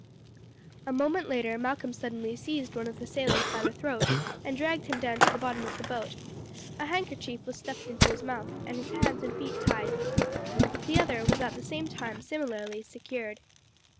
A moment later Malcolm suddenly seized one of the sailors by the throat and dragged him down to the bottom of the boat, a handkerchief was stuffed into his mouth, and his hands and feet tied. The other was at the same time similarly secured.